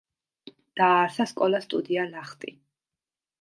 დააარსა სკოლა-სტუდია „ლახტი“.